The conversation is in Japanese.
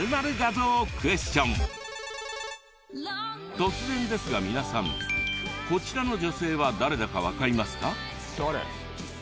突然ですが皆さんこちらの女性は誰だかわかりますか？